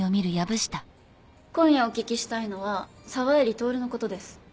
今夜お聞きしたいのは沢入徹のことです。